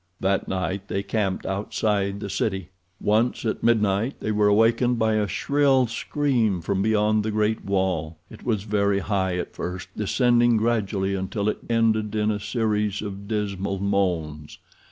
That night they camped outside the city. Once, at midnight, they were awakened by a shrill scream from beyond the great wall. It was very high at first, descending gradually until it ended in a series of dismal moans.